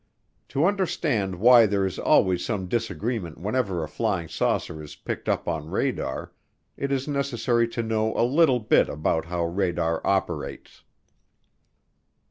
To understand why there is always some disagreement whenever a flying saucer is picked up on radar, it is necessary to know a little bit about how radar operates.